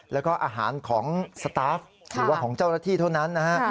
แล้วก็อาหารของสตาฟหรือว่าของเจ้าหน้าที่เท่านั้นนะฮะ